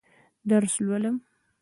درس لولم.